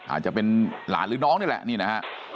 อาจจะเป็นหลานหรือน้องนี่แหละ